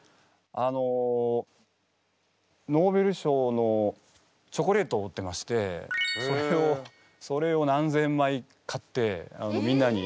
あのノーベル賞のチョコレートを売ってましてそれを何千枚買ってみんなに。